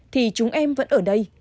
thì chúng em vẫn ở đây